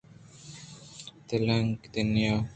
تیلانک دِیان